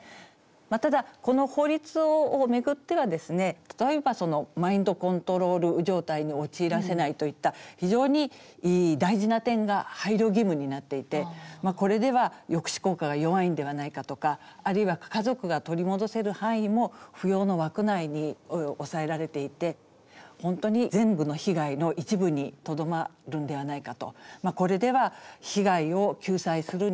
ただこの法律を巡ってはですね例えばマインドコントロール状態に陥らせないといった非常に大事な点が配慮義務になっていてこれでは抑止効果が弱いんではないかとかあるいは家族が取り戻せる範囲も扶養の枠内に抑えられていて本当に全部の被害の一部にとどまるんではないかと。